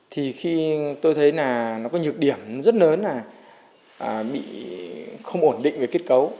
thì khi tôi thấy là nó có nhược điểm rất lớn là bị không ổn định về kết cấu